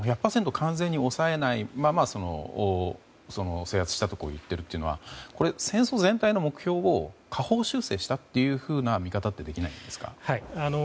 完全に抑えないまま制圧したと言っているというのはこれ、戦争全体の目標を下方修正したという見方ってできないんですか。